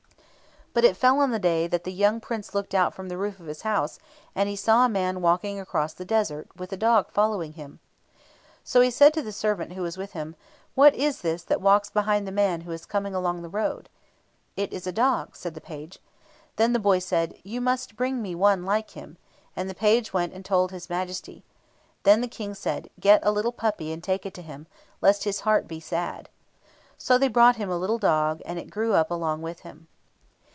But it fell on a day that the young Prince looked out from the roof of his house, and he saw a man walking across the desert, with a dog following him. So he said to the servant who was with him, "What is this that walks behind the man who is coming along the road?" "It is a dog," said the page. Then the boy said, "You must bring me one like him," and the page went and told His Majesty. Then the King said, "Get a little puppy, and take it to him, lest his heart be sad." So they brought him a little dog, and it grew up along with him.